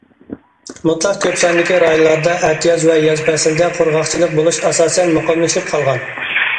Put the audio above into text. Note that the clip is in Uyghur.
مۇتلەق كۆپ ساندىكى رايونلاردا ئەتىياز ۋە ياز پەسلىدە قۇرغاقچىلىق بولۇش ئاساسەن مۇقىملىشىپ قالغان.